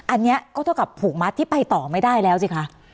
อันนี้ก็เท่ากับผูกมัดที่ไปต่อไม่ได้แล้วสิคะ